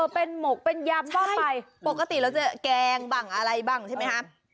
เป็นหมกเป็นยำปกติเราจะแกงบ้างอะไรบ้างใช่มั้ยฮะ